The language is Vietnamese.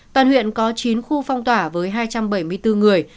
toàn huyện có chín khu phong tỏa với hai trăm bảy mươi bốn người